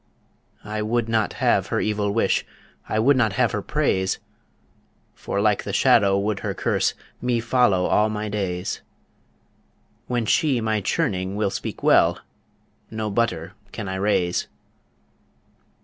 I would not have her evil wish, I would not have her praise, For like the shadow would her curse, Me follow all my days When she my churning will speak well, No butter can I raise.